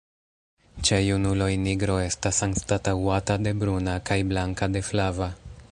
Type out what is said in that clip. Ĉe junuloj nigro estas anstataŭata de bruna kaj blanka de flava.